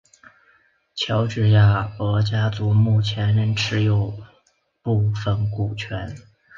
乔治亚罗家族目前仍持有部份股权。